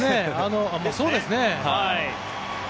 そうですね。